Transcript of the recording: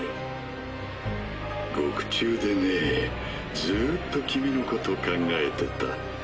獄中でねずっと君の事考えてた。